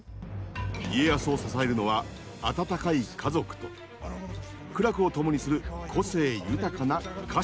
家康を支えるのは温かい家族と苦楽を共にする個性豊かな家臣たち。